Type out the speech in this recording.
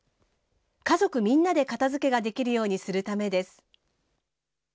家族みんなで片づけができるようにするためです。